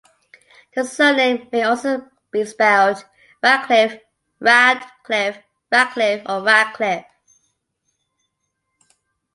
The surname may also be spelled Ratcliff, Radcliff, Ratcliffe, or Radcliffe.